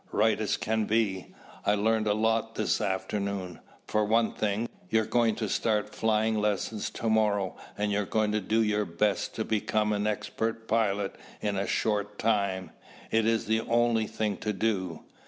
"Right as can be. I learned a lot this afternoon. For one thing, you're going to start flying lessons to morrow and you're going to do your best to become an expert pilot in a short time. It is the only thing to do."